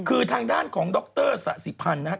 คือทางด้านของดรสะสิพันธ์นะครับ